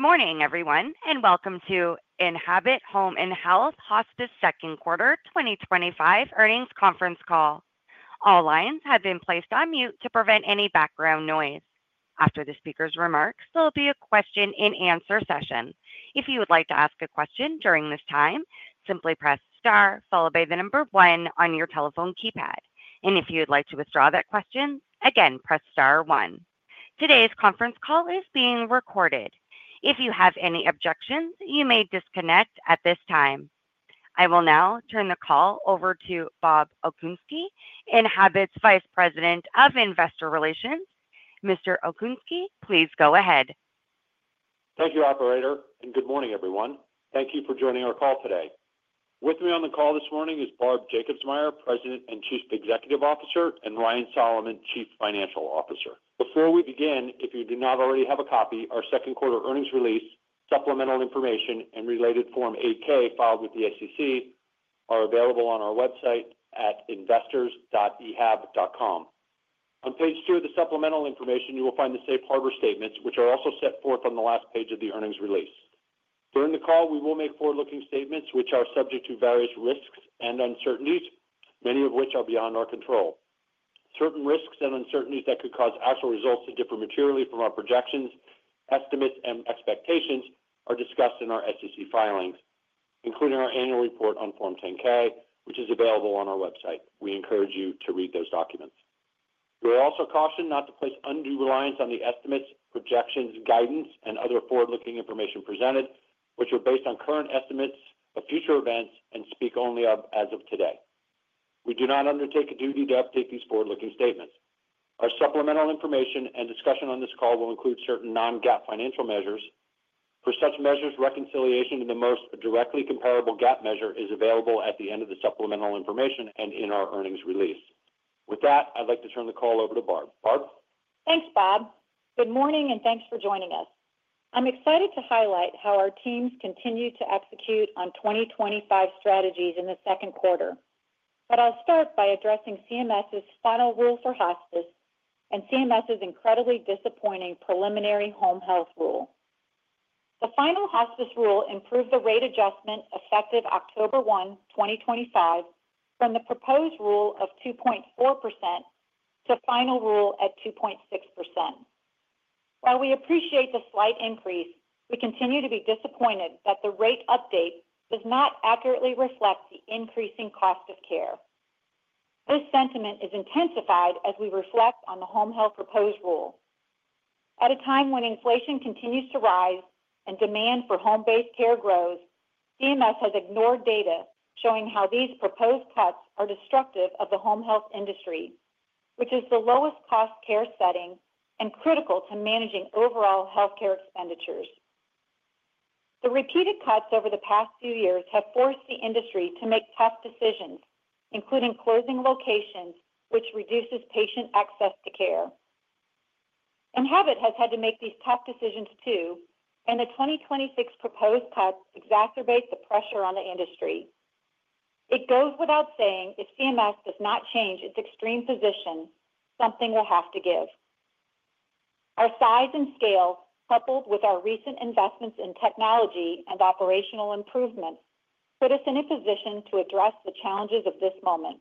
Good morning, everyone, and welcome to Enhabit Home Health & Hospice Second Quarter 2025 Earnings Conference Call. All lines have been placed on mute to prevent any background noise. After the speakers' remarks, there will be a question and answer session. If you would like to ask a question during this time, simply press star, followed by the number one on your telephone keypad. If you would like to withdraw that question, again, press star one. Today's conference call is being recorded. If you have any objections, you may disconnect at this time. I will now turn the call over to Bob Okunski, Enhabit's Vice President of Investor Relations. Mr. Okunski, please go ahead. Thank you, Operator, and good morning, everyone. Thank you for joining our call today. With me on the call this morning is Barb Jacobsmeyer, President and Chief Executive Officer, and Ryan Solomon, Chief Financial Officer. Before we begin, if you do not already have a copy, our second quarter earnings release, supplemental information, and related Form 8-K filed with the SEC are available on our website at investors.enhabit.com. On page two of the supplemental information, you will find the safe harbor statements, which are also set forth on the last page of the earnings release. During the call, we will make forward-looking statements, which are subject to various risks and uncertainties, many of which are beyond our control. Certain risks and uncertainties that could cause actual results to differ materially from our projections, estimates, and expectations are discussed in our SEC filings, including our annual report on Form 10-K, which is available on our website. We encourage you to read those documents. You are also cautioned not to place undue reliance on the estimates, projections, guidance, and other forward-looking information presented, which are based on current estimates of future events and speak only as of today. We do not undertake a duty to update these forward-looking statements. Our supplemental information and discussion on this call will include certain non-GAAP financial measures. For such measures, reconciliation to the most directly comparable GAAP measure is available at the end of the supplemental information and in our earnings release. With that, I'd like to turn the call over to Barb. Thanks, Bob. Good morning and thanks for joining us. I'm excited to highlight how our teams continue to execute on 2025 strategies in the second quarter. I'll start by addressing CMS's final rule for hospice and CMS's incredibly disappointing preliminary home health rule. The final hospice rule improved the rate adjustment effective October 1, 2025, from the proposed rule of 2.4% to final rule at 2.6%. While we appreciate the slight increase, we continue to be disappointed that the rate update does not accurately reflect the increasing cost of care. This sentiment is intensified as we reflect on the home health proposed rule. At a time when inflation continues to rise and demand for home-based care grows, CMS has ignored data showing how these proposed cuts are destructive of the home health industry, which is the lowest cost care setting and critical to managing overall healthcare expenditures. The repeated cuts over the past few years have forced the industry to make tough decisions, including closing locations, which reduces patient access to care. Enhabit has had to make these tough decisions too, and the 2026 proposed cuts exacerbate the pressure on the industry. It goes without saying if CMS does not change its extreme position, something will have to give. Our size and scale, coupled with our recent investments in technology and operational improvement, put us in a position to address the challenges of this moment.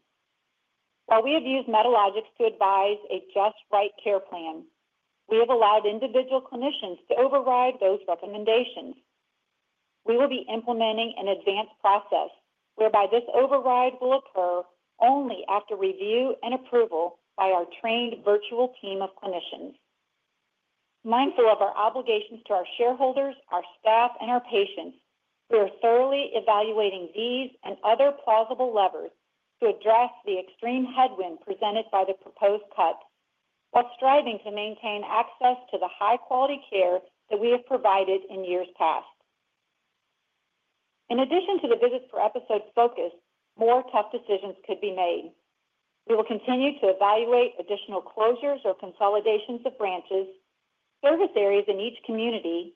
While we have used Medalogix to advise a just-right care plan, we have allowed individual clinicians to override those recommendations. We will be implementing an advanced process whereby this override will occur only after review and approval by our trained virtual team of clinicians. Mindful of our obligations to our shareholders, our staff, and our patients, we are thoroughly evaluating these and other plausible levers to address the extreme headwind presented by the proposed cut, while striving to maintain access to the high-quality care that we have provided in years past. In addition to the visits for episodes focused, more tough decisions could be made. We will continue to evaluate additional closures or consolidations of branches, service areas in each community,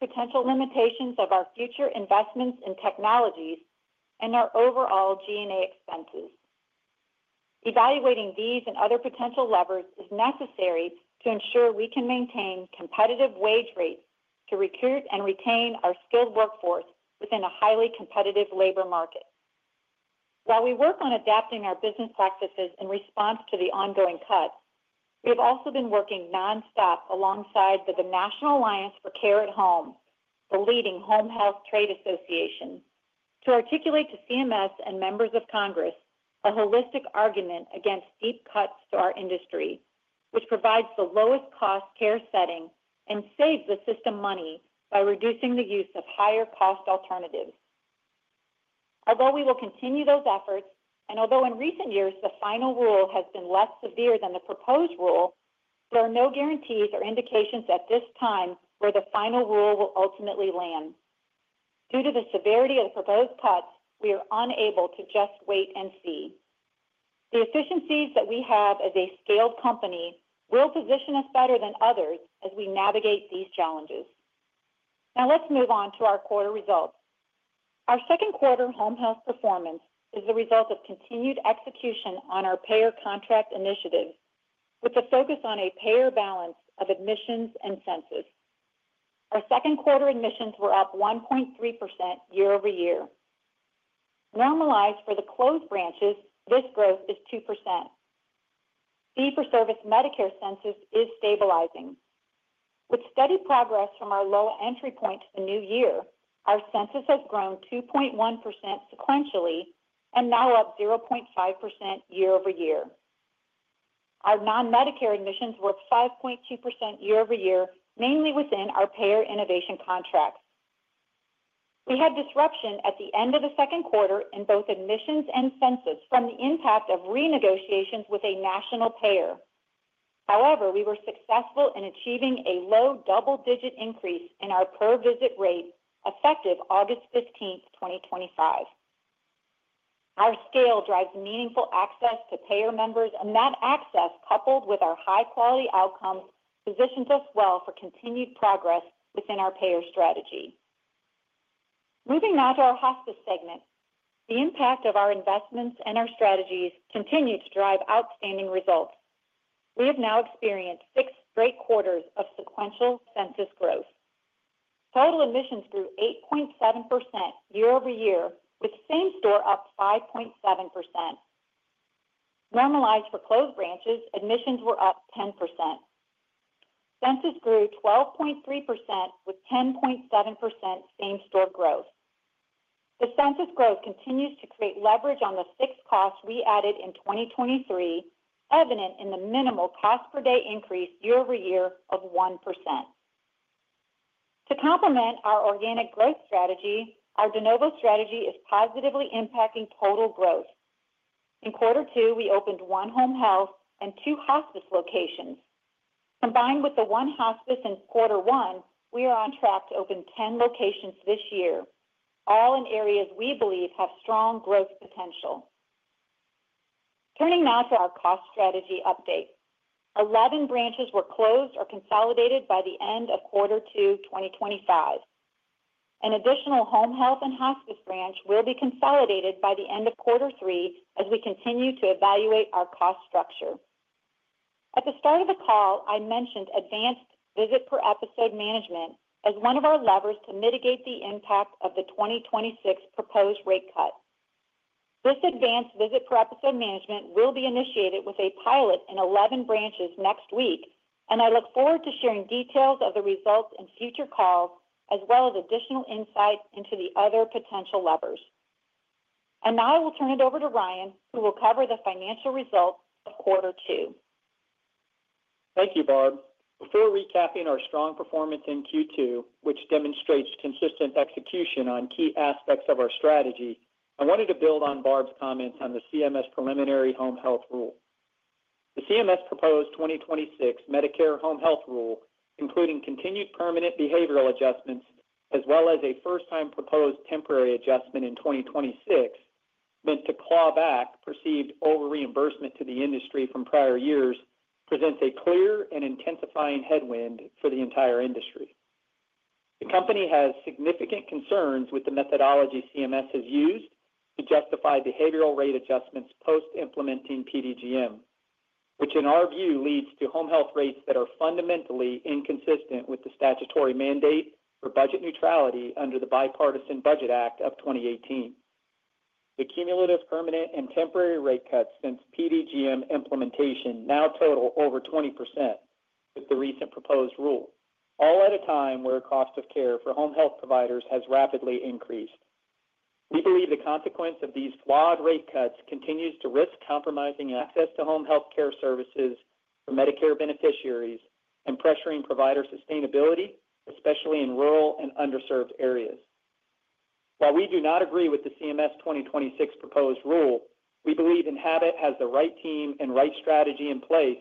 potential limitations of our future investments in technologies, and our overall G&A expenses. Evaluating these and other potential levers is necessary to ensure we can maintain competitive wage rates to recruit and retain our skilled workforce within a highly competitive labor market. While we work on adapting our business practices in response to the ongoing cut, we have also been working nonstop alongside the National Alliance for Care at Home, the leading home health trade association, to articulate to the CMS and members of Congress a holistic argument against deep cuts to our industry, which provides the lowest cost care setting and saves the system money by reducing the use of higher cost alternatives. Although we will continue those efforts, and although in recent years the final rule has been less severe than the proposed rule, there are no guarantees or indications at this time where the final rule will ultimately land. Due to the severity of the proposed cuts, we are unable to just wait and see. The efficiencies that we have as a scaled company will position us better than others as we navigate these challenges. Now let's move on to our quarter results. Our second quarter home health performance is the result of continued execution on our payer contract initiatives, with a focus on a payer balance of admissions and census. Our second quarter admissions were up 1.3% year-over-year. Normalized for the closed branches, this growth is 2%. Fee-for-service Medicare census is stabilizing. With steady progress from our low entry point to the new year, our census has grown 2.1% sequentially and now we're up 0.5% year-over-year. Our non-Medicare admissions were up 5.2% year over year, mainly within our payer innovation contract. We had disruption at the end of the second quarter in both admissions and census from the impact of renegotiations with a national payer. However, we were successful in achieving a low double-digit increase in our per-visit rate effective August 15th, 2025. Our scale drives meaningful access to payer members, and that access, coupled with our high-quality outcomes, positions us well for continued progress within our payer strategy. Moving now to our hospice segment, the impact of our investments and our strategies continues to drive outstanding results. We have now experienced six straight quarters of sequential census growth. Total admissions grew 8.7% year-over-year, with same store up 5.7%. Normalized for closed branches, admissions were up 10%. Census grew 12.3%, with 10.7% same store growth. The census growth continues to create leverage on the sixth cost we added in 2023, evident in the minimal cost per day increase year over year of 1%. To complement our organic growth strategy, our de novo strategy is positively impacting total growth. In quarter two, we opened one home health and two hospice locations. Combined with the one hospice in quarter one, we are on track to open 10 locations this year, all in areas we believe have strong growth potential. Turning now to our cost strategy update, 11 branches were closed or consolidated by the end of quarter two, 2025. An additional home health and hospice branch will be consolidated by the end of quarter three as we continue to evaluate our cost structure. At the start of the call, I mentioned advanced visit per episode management as one of our levers to mitigate the impact of the 2026 proposed rate cut. This advanced visit per episode management will be initiated with a pilot in 11 branches next week, and I look forward to sharing details of the results in future calls, as well as additional insight into the other potential levers. I will now turn it over to Ryan, who will cover the financial results of quarter two. Thank you, Bob. Before recapping our strong performance in Q2, which demonstrates consistent execution on key aspects of our strategy, I wanted to build on Barb's comments on the CMS preliminary home health rule. The CMS proposed 2026 Medicare home health rule, including continued permanent behavioral adjustments, as well as a first-time proposed temporary adjustment in 2026, meant to claw back perceived over-reimbursement to the industry from prior years, presents a clear and intensifying headwind for the entire industry. The company has significant concerns with the methodology CMS has used to justify behavioral rate adjustments post-implementing PDGM, which in our view leads to home health rates that are fundamentally inconsistent with the statutory mandate for budget neutrality under the Bipartisan Budget Act of 2018. The cumulative permanent and temporary rate cuts since PDGM implementation now total over 20% with the recent proposed rule, all at a time where cost of care for home health providers has rapidly increased. We believe the consequence of these flawed rate cuts continues to risk compromising access to home health care services for Medicare beneficiaries and pressuring provider sustainability, especially in rural and underserved areas. While we do not agree with the CMS 2026 proposed rule, we believe Enhabit has the right team and right strategy in place,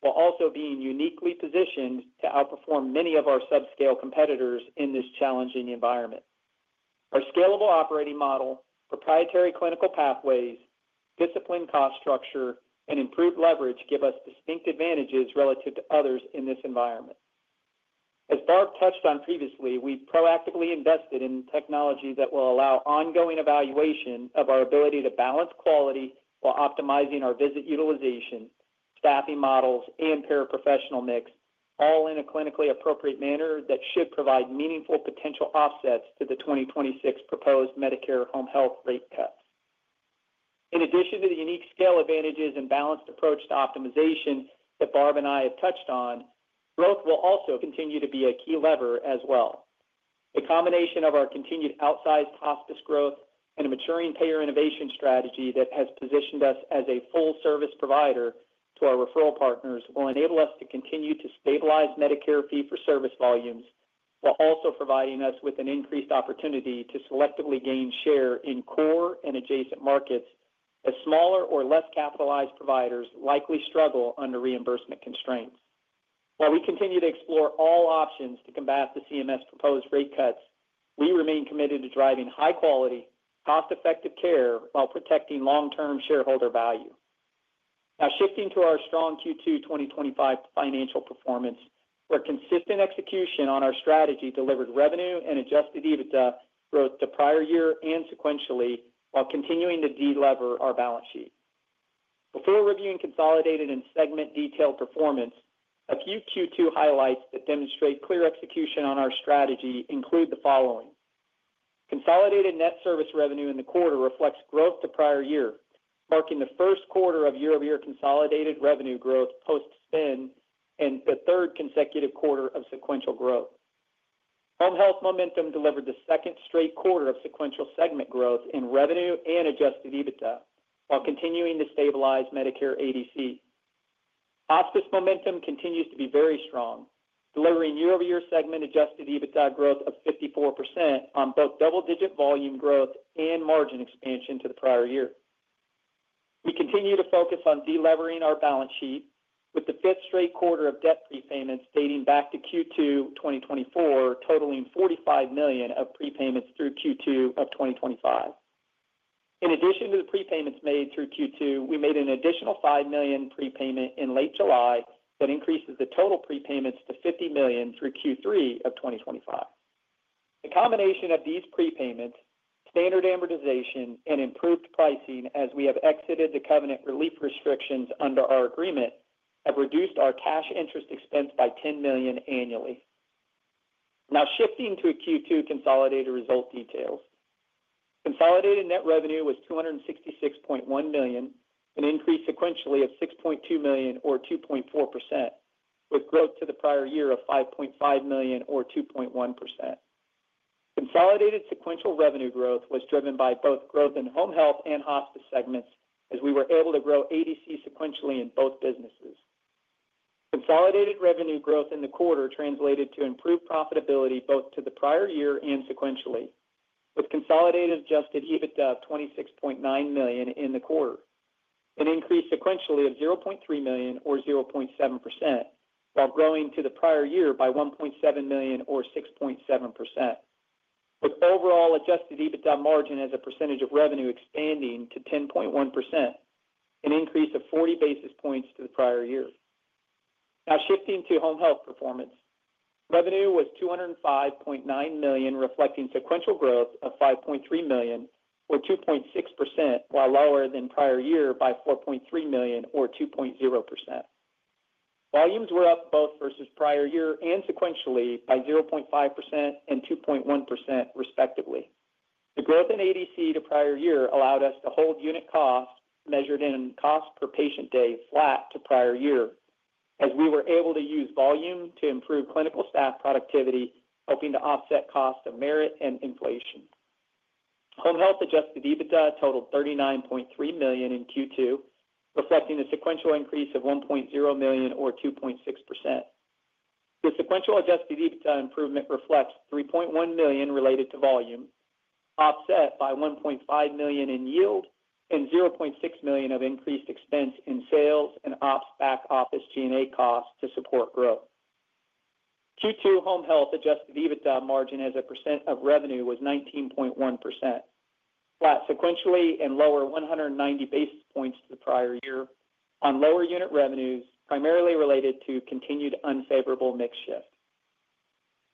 while also being uniquely positioned to outperform many of our subscale competitors in this challenging environment. Our scalable operating model, proprietary clinical pathways, disciplined cost structure, and improved leverage give us distinct advantages relative to others in this environment. As Barb touched on previously, we proactively invested in technology that will allow ongoing evaluation of our ability to balance quality while optimizing our visit utilization, staffing models, and paraprofessional mix, all in a clinically appropriate manner that should provide meaningful potential offsets to the 2026 proposed Medicare home health rate cuts. In addition to the unique scale advantages and balanced approach to optimization that Barb and I have touched on, growth will also continue to be a key lever as well. The combination of our continued outsized hospice growth and a maturing payer innovation strategy that has positioned us as a full-service provider to our referral partners will enable us to continue to stabilize Medicare fee-for-service volumes, while also providing us with an increased opportunity to selectively gain share in core and adjacent markets as smaller or less capitalized providers likely struggle under reimbursement constraints. While we continue to explore all options to combat the CMS proposed rate cuts, we remain committed to driving high-quality, cost-effective care while protecting long-term shareholder value. Now shifting to our strong Q2 2025 financial performance, where consistent execution on our strategy delivered revenue and adjusted EBITDA growth to prior year and sequentially, while continuing to de-lever our balance sheet. Before reviewing consolidated and segment-detailed performance, a few Q2 highlights that demonstrate clear execution on our strategy include the following. Consolidated net service revenue in the quarter reflects growth to prior year, marking the first quarter of year-over-year consolidated revenue growth post-spin and the third consecutive quarter of sequential growth. Home health momentum delivered the second straight quarter of sequential segment growth in revenue and adjusted EBITDA, while continuing to stabilize Medicare ADC. Hospice momentum continues to be very strong, delivering year-over-year segment-adjusted EBITDA growth of 54% on both double-digit volume growth and margin expansion to the prior year. We continue to focus on de-levering our balance sheet, with the fifth straight quarter of debt prepayments dating back to Q2 2024, totaling $45 million of prepayments through Q2 of 2025. In addition to the prepayments made through Q2, we made an additional $5 million prepayment in late July that increases the total prepayments to $50 million through Q3 of 2025. The combination of these prepayments, standard amortization, and improved pricing as we have exited the covenant relief restrictions under our agreement have reduced our cash interest expense by $10 million annually. Now shifting to Q2 consolidated result details. Consolidated net revenue was $266.1 million, an increase sequentially of $6.2 million or 2.4%, with growth to the prior year of $5.5 million or 2.1%. Consolidated sequential revenue growth was driven by both growth in home health and hospice segments as we were able to grow ADC sequentially in both businesses. Consolidated revenue growth in the quarter translated to improved profitability both to the prior year and sequentially, with consolidated adjusted EBITDA of $26.9 million in the quarter, an increase sequentially of $0.3 million or 0.7%, while growing to the prior year by $1.7 million or 6.7%, with overall adjusted EBITDA margin as a percentage of revenue expanding to 10.1%, an increase of 40 basis points to the prior year. Now shifting to home health performance, revenue was $205.9 million, reflecting sequential growth of $5.3 million or 2.6%, while lower than prior year by $4.3 million or 2.0%. Volumes were up both versus prior year and sequentially by 0.5% and 2.1%, respectively. The growth in ADC to prior year allowed us to hold unit costs measured in cost per patient day flat to prior year, as we were able to use volume to improve clinical staff productivity, helping to offset costs of merit and inflation. Home health adjusted EBITDA totaled $39.3 million in Q2, reflecting a sequential increase of $1.0 million or 2.6%. The sequential adjusted EBITDA improvement reflects $3.1 million related to volume, offset by $1.5 million in yield and $0.6 million of increased expense in sales and back office G&A costs to support growth. Q2 home health adjusted EBITDA margin as a percent of revenue was 19.1%, flat sequentially and lower 190 basis points to the prior year on lower unit revenues, primarily related to continued unfavorable mix shift.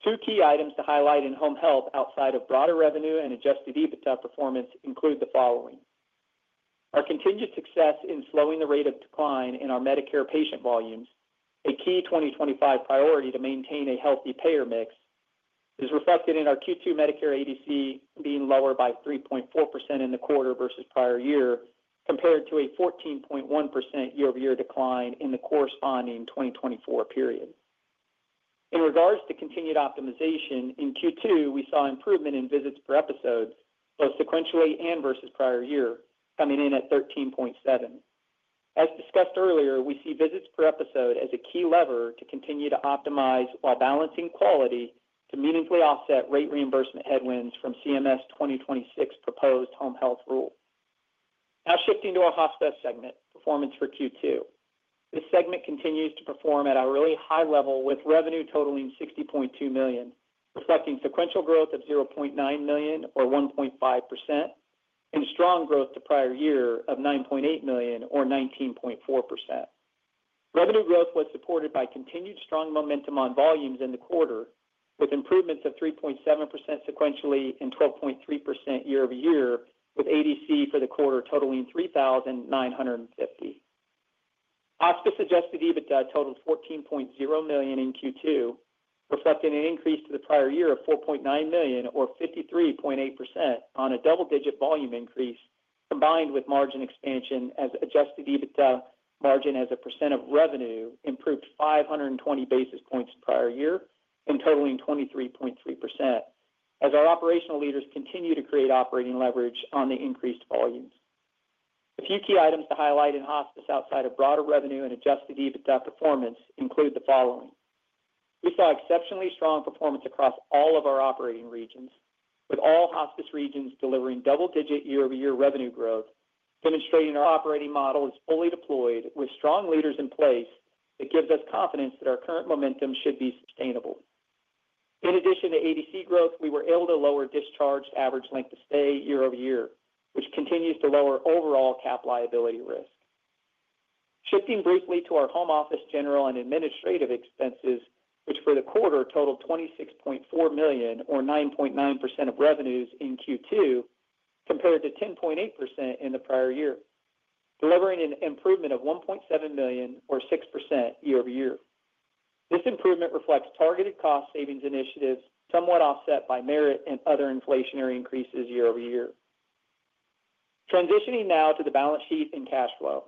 Two key items to highlight in home health outside of broader revenue and adjusted EBITDA performance include the following. Our continued success in slowing the rate of decline in our Medicare patient volumes, a key 2025 priority to maintain a healthy payer mix, is reflected in our Q2 Medicare ADC being lower by 3.4% in the quarter versus prior year, compared to a 14.1% year-over-year decline in the corresponding 2024 period. In regards to continued optimization, in Q2, we saw improvement in visits per episode, both sequentially and versus prior year, coming in at 13.7%. As discussed earlier, we see visits per episode as a key lever to continue to optimize while balancing quality to meaningfully offset rate reimbursement headwinds from CMS 2026 proposed home health rule. Now shifting to a hospice segment performance for Q2. This segment continues to perform at a really high level with revenue totaling $60.2 million, reflecting sequential growth of $0.9 million or 1.5% and strong growth to prior year of $9.8 million or 19.4%. Revenue growth was supported by continued strong momentum on volumes in the quarter, with improvements of 3.7% sequentially and 12.3% year-over-year, with ADC for the quarter totaling 3,950. Hospice adjusted EBITDA totaled $14.0 million in Q2, reflecting an increase to the prior year of $4.9 million or 53.8% on a double-digit volume increase, combined with margin expansion as adjusted EBITDA margin as a percent of revenue improved 520 basis points to prior year and totaling 23.3%, as our operational leaders continue to create operating leverage on the increased volumes. A few key items to highlight in hospice outside of broader revenue and adjusted EBITDA performance include the following. We saw exceptionally strong performance across all of our operating regions, with all hospice regions delivering double-digit year-over-year revenue growth, demonstrating our operating model is fully deployed with strong leaders in place. It gives us confidence that our current momentum should be sustainable. In addition to ADC growth, we were able to lower discharge average length of stay year-over-year, which continues to lower overall CAP liability risk. Shifting briefly to our home office general and administrative expenses, which for the quarter totaled $26.4 million or 9.9% of revenues in Q2 compared to 10.8% in the prior year, delivering an improvement of $1.7 million or 6% year-over-year. This improvement reflects targeted cost savings initiatives somewhat offset by merit and other inflationary increases year-over-year. Transitioning now to the balance sheet and cash flow.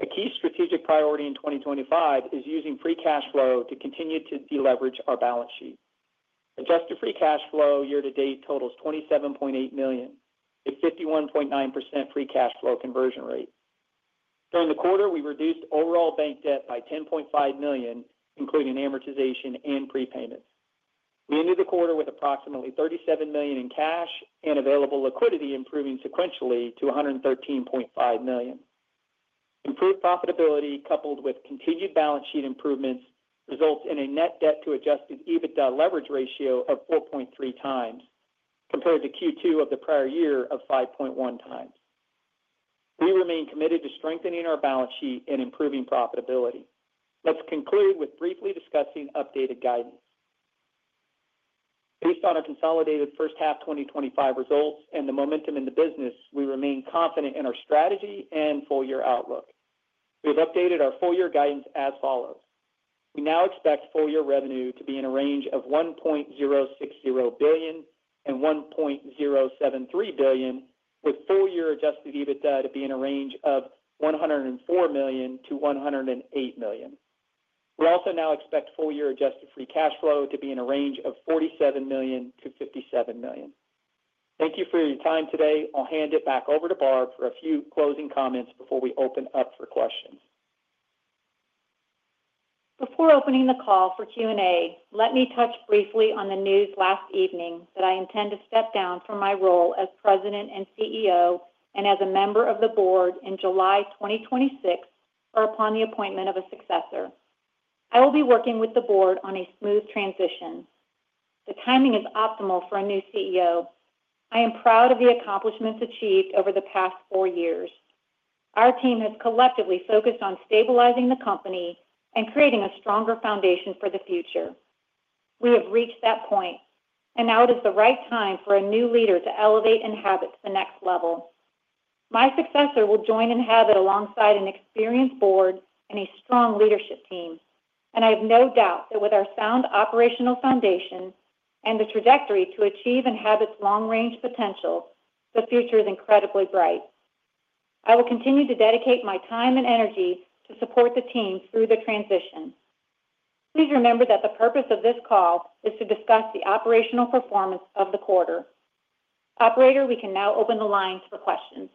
A key strategic priority in 2025 is using free cash flow to continue to de-leverage our balance sheet. Adjusted free cash flow year to date totals $27.8 million, a 51.9% free cash flow conversion rate. During the quarter, we reduced overall bank debt by $10.5 million, including amortization and prepayments. We ended the quarter with approximately $37 million in cash and available liquidity improving sequentially to $113.5 million. Improved profitability, coupled with continued balance sheet improvements, results in a net debt-to-adjusted EBITDA leverage ratio of 4.3x compared to Q2 of the prior year of 5.1x. We remain committed to strengthening our balance sheet and improving profitability. Let's conclude with briefly discussing updated guidance. Based on our consolidated first half 2025 results and the momentum in the business, we remain confident in our strategy and full-year outlook. We have updated our full-year guidance as follows. We now expect full-year revenue to be in a range of $1.060 billion and $1.073 billion, with full-year adjusted EBITDA to be in a range of $104 million to $108 million. We also now expect full-year adjusted free cash flow to be in a range of $47 million to $57 million. Thank you for your time today. I'll hand it back over to Barb for a few closing comments before we open up for questions. Before opening the call for Q&A, let me touch briefly on the news last evening that I intend to step down from my role as President and CEO and as a member of the board in July 2026 or upon the appointment of a successor. I will be working with the board on a smooth transition. The timing is optimal for a new CEO. I am proud of the accomplishments achieved over the past four years. Our team has collectively focused on stabilizing the company and creating a stronger foundation for the future. We have reached that point, and now it is the right time for a new leader to elevate Enhabit to the next level. My successor will join Enhabit alongside an experienced board and a strong leadership team, and I have no doubt that with our sound operational foundation and the trajectory to achieve Enhabit's long-range potential, the future is incredibly bright. I will continue to dedicate my time and energy to support the team through the transition. Please remember that the purpose of this call is to discuss the operational performance of the quarter. Operator, we can now open the lines for questions.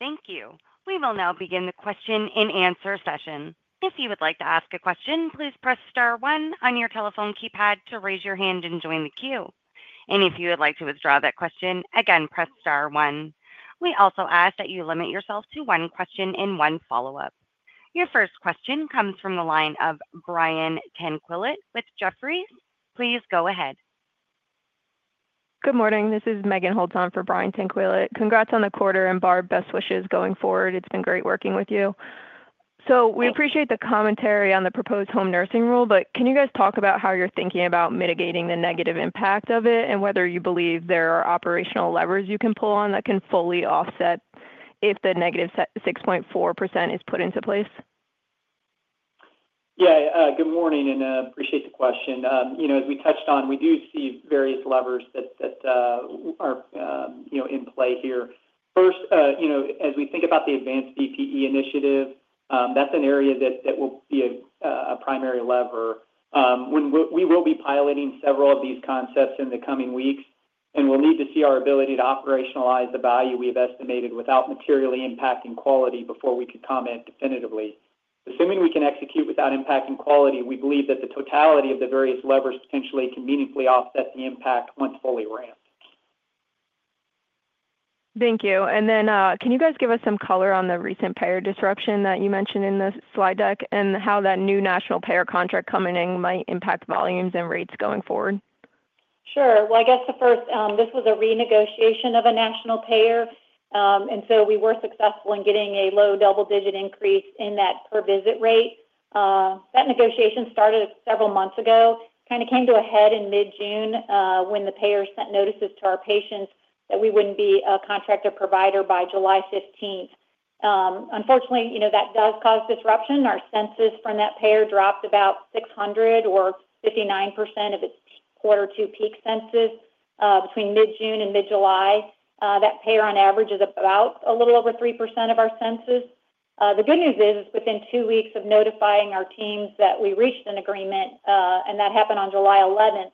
Thank you. We will now begin the question and answer session. If you would like to ask a question, please press star one on your telephone keypad to raise your hand and join the queue. If you would like to withdraw that question, again, press star one. We also ask that you limit yourself to one question and one follow-up. Your first question comes from the line of Brian Tanquilut with Jefferies. Please go ahead. Good morning. This is Megan Holtz on for Brian Tanquilut. Congrats on the quarter and Barb, best wishes going forward. It's been great working with you. We appreciate the commentary on the proposed home nursing rule, but can you guys talk about how you're thinking about mitigating the negative impact of it and whether you believe there are operational levers you can pull on that can fully offset if the negative 6.4% is put into place? Good morning, and I appreciate the question. As we touched on, we do see various levers that are in play here. First, as we think about the advanced VPE initiative, that's an area that will be a primary lever. We will be piloting several of these concepts in the coming weeks, and we'll need to see our ability to operationalize the value we've estimated without materially impacting quality before we could comment definitively. Assuming we can execute without impacting quality, we believe that the totality of the various levers potentially can meaningfully offset the impact once fully ramped. Thank you. Can you guys give us some color on the recent payer disruption that you mentioned in the slide deck and how that new national payer contract coming in might impact volumes and rates going forward? Sure. This was a renegotiation of a national payer, and we were successful in getting a low double-digit increase in that per-visit rate. That negotiation started several months ago, kind of came to a head in mid-June when the payer sent notices to our patients that we wouldn't be a contracted provider by July 15th. Unfortunately, that does cause disruption. Our census from that payer dropped about 600 or 59% of its quarter two peak census between mid-June and mid-July. That payer, on average, is about a little over 3% of our census. The good news is, within two weeks of notifying our teams that we reached an agreement, and that happened on July 11th,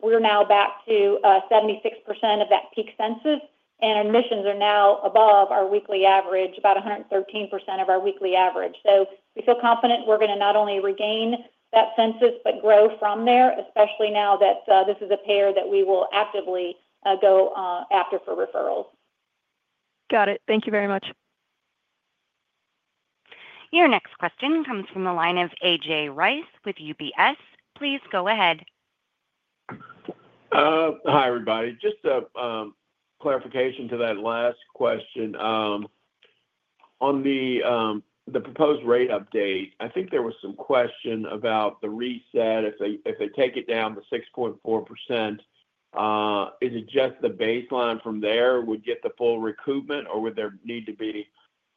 we're now back to 76% of that peak census, and admissions are now above our weekly average, about 113% of our weekly average. We feel confident we're going to not only regain that census but grow from there, especially now that this is a payer that we will actively go after for referrals. Got it. Thank you very much. Your next question comes from the line of A.J. Rice with UBS. Please go ahead. Hi, everybody. Just a clarification to that last question. On the proposed rate update, I think there was some question about the reset. If they take it down to 6.4%, is it just the baseline from there would get the full recoupment, or would there need to be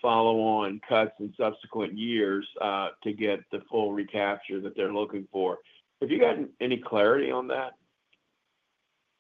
follow-on cuts in subsequent years to get the full recapture that they're looking for? Have you gotten any clarity on that?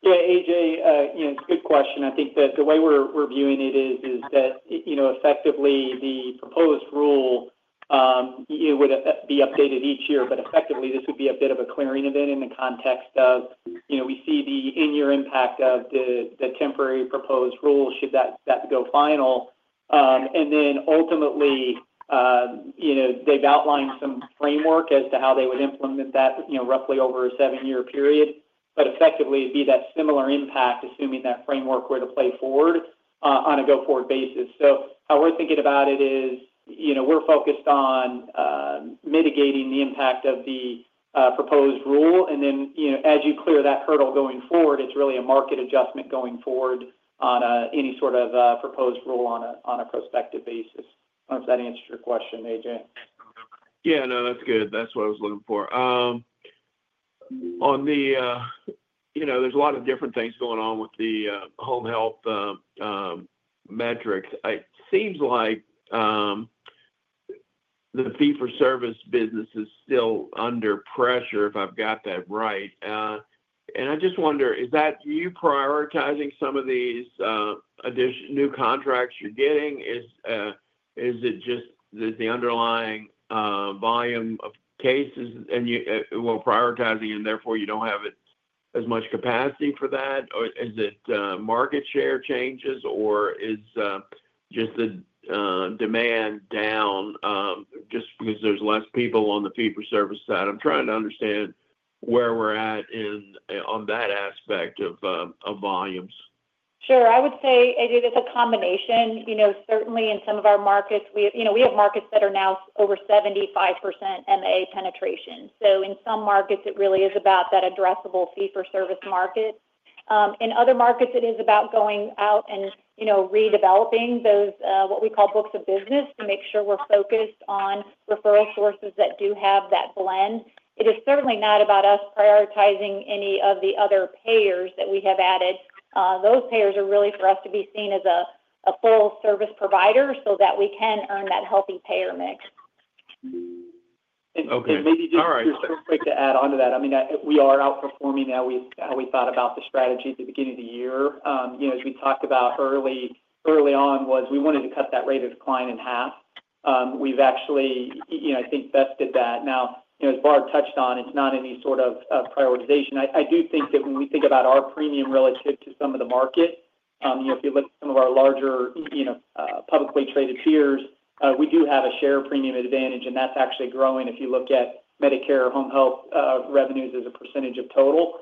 Yeah, A.J., you know, it's a good question. I think that the way we're viewing it is that, you know, effectively, the proposed rule would be updated each year, but effectively, this would be a bit of a clearing event in the context of, you know, we see the in-year impact of the temporary proposed rule should that go final. Ultimately, they've outlined some framework as to how they would implement that, you know, roughly over a seven-year period. Effectively, it'd be that similar impact, assuming that framework were to play forward on a go-forward basis. How we're thinking about it is, you know, we're focused on mitigating the impact of the proposed rule. As you clear that hurdle going forward, it's really a market adjustment going forward on any sort of proposed rule on a prospective basis. I don't know if that answers your question, A.J. Yeah, no, that's good. That's what I was looking for. There are a lot of different things going on with the home health metrics. It seems like the fee-for-service business is still under pressure, if I've got that right. I just wonder, is that you prioritizing some of these additional new contracts you're getting? Is it just that the underlying volume of cases and you are prioritizing, and therefore you don't have as much capacity for that? Is it market share changes, or is the demand down just because there's less people on the fee-for-service side? I'm trying to understand where we're at on that aspect of volumes. Sure. I would say, A.J., it's a combination. Certainly, in some of our markets, we have markets that are now over 75% MA penetration. In some markets, it really is about that addressable fee-for-service market. In other markets, it is about going out and redeveloping those, what we call books of business, to make sure we're focused on referral sources that do have that blend. It is certainly not about us prioritizing any of the other payers that we have added. Those payers are really for us to be seen as a full-service provider so that we can earn that healthy payer mix. Maybe just a quick break to add on to that. I mean, we are outperforming now. We thought about the strategy at the beginning of the year. As we talked about early on, we wanted to cut that rate of decline in half. We've actually, I think, bested that. As Barb touched on, it's not any sort of prioritization. I do think that when we think about our premium relative to some of the market, if you look at some of our larger, publicly traded shares, we do have a share premium advantage, and that's actually growing if you look at Medicare home health revenues as a percentage of total.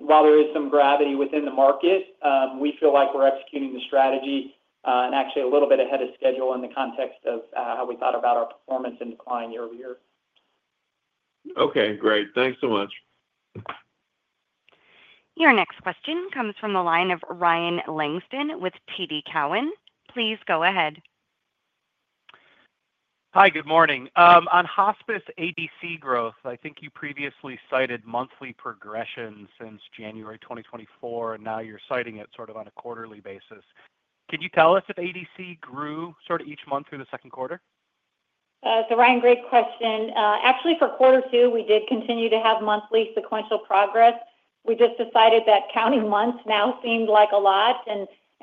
While there is some gravity within the market, we feel like we're executing the strategy and actually a little bit ahead of schedule in the context of how we thought about our performance and decline year-over-year. Okay, great. Thanks so much. Your next question comes from the line of Ryan Langston with TD Cowen. Please go ahead. Hi. Good morning. On hospice ADC growth, I think you previously cited monthly progressions since January 2024, and now you're citing it sort of on a quarterly basis. Can you tell us if ADC grew sort of each month through the second quarter? Ryan, great question. Actually, for quarter two, we did continue to have monthly sequential progress. We just decided that counting months now seemed like a lot.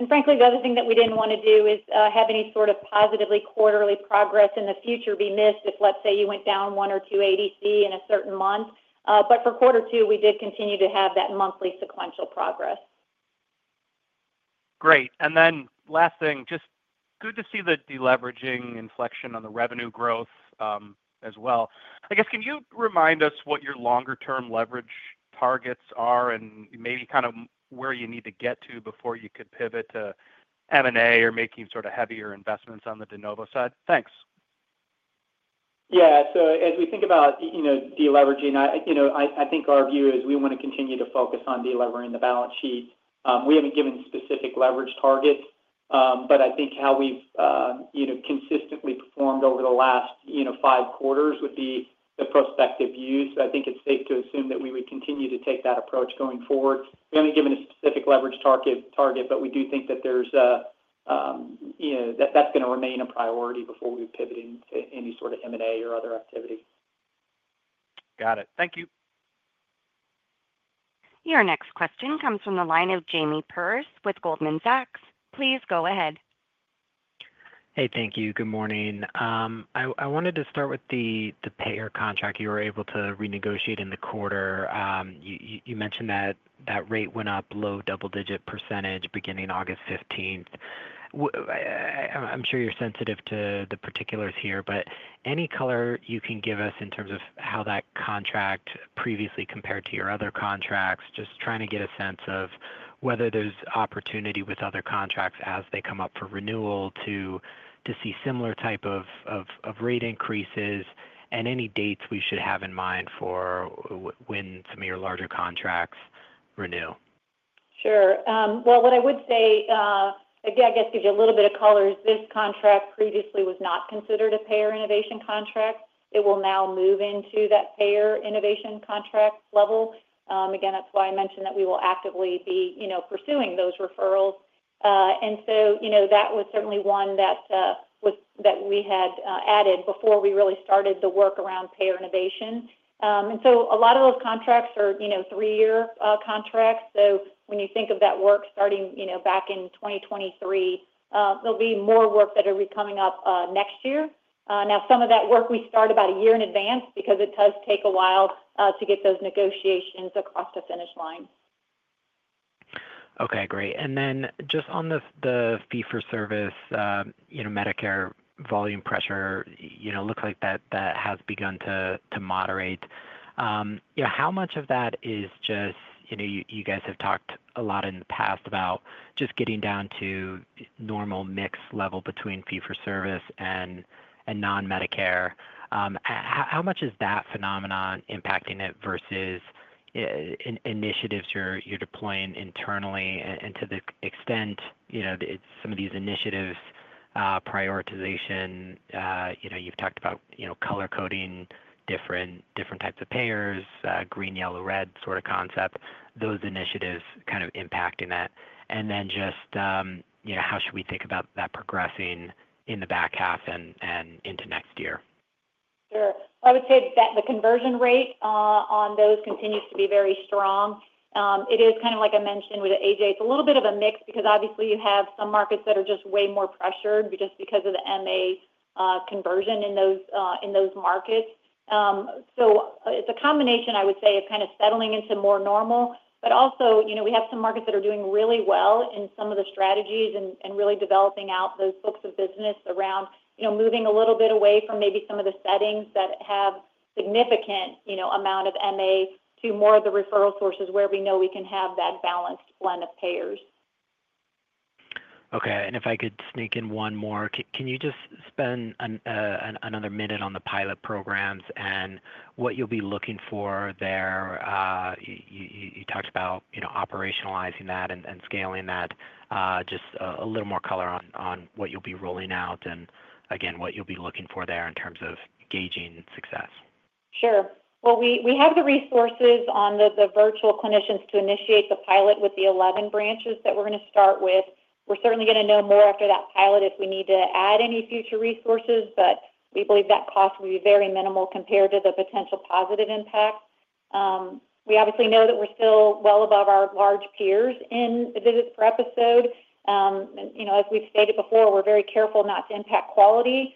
Frankly, the other thing that we didn't want to do is have any sort of positive quarterly progress in the future be missed if, let's say, you went down one or two ADC in a certain month. For quarter two, we did continue to have that monthly sequential progress. Great. Last thing, just good to see the de-leveraging inflection on the revenue growth as well. I guess, can you remind us what your longer-term leverage targets are and maybe kind of where you need to get to before you could pivot to M&A or making sort of heavier investments on the de novo side? Thanks. As we think about de-leveraging, I think our view is we want to continue to focus on de-levering the balance sheet. We haven't given specific leverage targets. I think how we've consistently performed over the last five quarters would be the prospective use. I think it's safe to assume that we would continue to take that approach going forward. We haven't given a specific leverage target, but we do think that that's going to remain a priority before we pivot into any sort of M&A or other activity. Got it. Thank you. Your next question comes from the line of Jamie Perse with Goldman Sachs. Please go ahead. Hey, thank you. Good morning. I wanted to start with the payer contract you were able to renegotiate in the quarter. You mentioned that that rate went up low double-digit percentage beginning August 15th. I'm sure you're sensitive to the particulars here, but any color you can give us in terms of how that contract previously compared to your other contracts, just trying to get a sense of whether there's opportunity with other contracts as they come up for renewal to see similar type of rate increases and any dates we should have in mind for when some of your larger contracts renew. Sure. What I would say, again, I guess gives you a little bit of color is this contract previously was not considered a payer innovation contract. It will now move into that payer innovation contract level. That's why I mentioned that we will actively be pursuing those referrals. That was certainly one that we had added before we really started the work around payer innovation. A lot of those contracts are three-year contracts. When you think of that work starting back in 2023, there'll be more work that will be coming up next year. Some of that work we start about a year in advance because it does take a while to get those negotiations across the finish line. Okay. Great. On the fee-for-service Medicare volume pressure, it looks like that has begun to moderate. How much of that is just, you know, you guys have talked a lot in the past about just getting down to normal mix level between fee-for-service and non-Medicare? How much is that phenomenon impacting it versus initiatives you're deploying internally, and to the extent some of these initiatives' prioritization? You've talked about color-coding different types of payers, green, yellow, red sort of concepts, those initiatives kind of impacting that. How should we think about that progressing in the back half and into next year? Sure. I would say the conversion rate on those continues to be very strong. It is kind of like I mentioned with A.J., it's a little bit of a mix because obviously you have some markets that are just way more pressured just because of the MA conversion in those markets. It is a combination, I would say, of kind of settling into more normal. Also, you know, we have some markets that are doing really well in some of the strategies and really developing out those books of business around, you know, moving a little bit away from maybe some of the settings that have significant, you know, amount of MA to more of the referral sources where we know we can have that balanced blend of payers. Okay. If I could sneak in one more, can you just spend another minute on the pilot programs and what you'll be looking for there? You talked about operationalizing that and scaling that. Just a little more color on what you'll be rolling out and, again, what you'll be looking for there in terms of gauging success. Sure. We have the resources on the virtual clinicians to initiate the pilot with the 11 branches that we're going to start with. We're certainly going to know more after that pilot if we need to add any future resources, but we believe that cost will be very minimal compared to the potential positive impact. We obviously know that we're still well above our large peers in visits per episode. As we've stated before, we're very careful not to impact quality.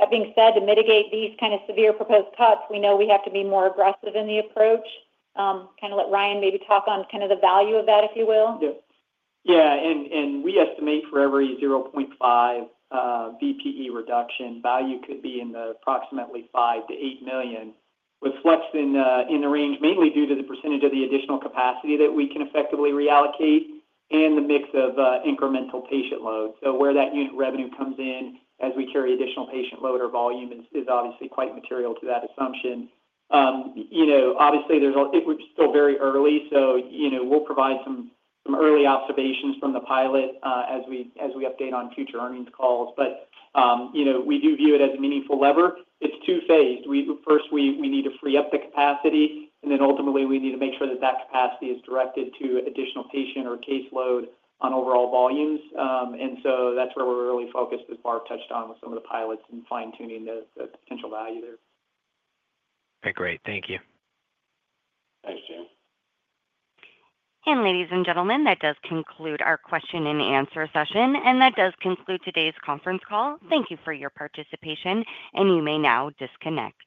That being said, to mitigate these kind of severe proposed cuts, we know we have to be more aggressive in the approach. Kind of let Ryan maybe talk on kind of the value of that, if you will. Yeah. Yeah. We estimate for every 0.5 VPE reduction, value could be in the approximately $5 million-$8 million, with flex in the range mainly due to the percentage of the additional capacity that we can effectively reallocate and the mix of incremental patient load. Where that unit revenue comes in as we carry additional patient load or volume is obviously quite material to that assumption. We're still very early, so we'll provide some early observations from the pilot as we update on future earnings calls. We do view it as a meaningful lever. It's two-phased. First, we need to free up the capacity, and then ultimately, we need to make sure that capacity is directed to additional patient or caseload on overall volumes. That's where we're really focused, as Barb touched on with some of the pilots and fine-tuning the potential value there. Okay, great. Thank you. Thanks, Jamie. Ladies and gentlemen, that does conclude our question and answer session, and that does conclude today's conference call. Thank you for your participation, and you may now disconnect.